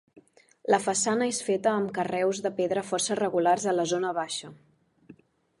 La façana és feta amb carreus de pedra força regulars a la zona baixa.